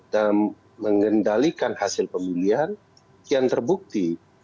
dan mengendalikan hasil pemilihan kian terbukti